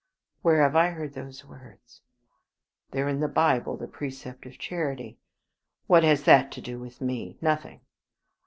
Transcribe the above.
Where have I heard those words? They are in the Bible; the precept of charity. What has that to do with me? Nothing.